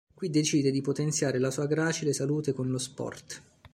Qui decide di potenziare la sua gracile salute con lo sport.